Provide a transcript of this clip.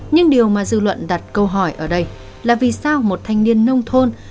nhưng điều mà dư luận đặt câu hỏi ở đây là vì sao một thanh niên nông thôn